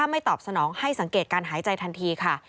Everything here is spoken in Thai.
ไม่ตอบสนองให้สังเกตการหายใจทันทีค่ะ